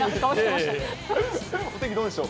お天気どうでしょう？